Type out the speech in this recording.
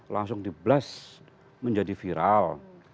langsung di blast menjadi viral